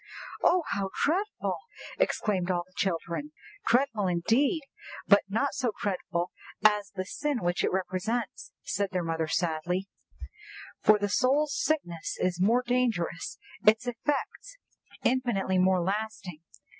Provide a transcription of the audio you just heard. "Oh, how dreadful!" exclaimed all the children. "Dreadful indeed, but not so dreadful as the sin which it represents," said their mother sadly; "for the soul's sickness is more dangerous, its effects infinitely more lasting."